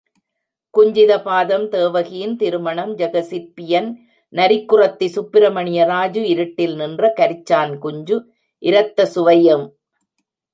குஞ்சிதபாதம் தேவகியின் திருமணம் ஜெகசிற்பியன் நரிக்குறத்தி சுப்ரமணிய ராஜு இருட்டில் நின்ற... கரிச்சான் குஞ்சு இரத்தசுவை எம்.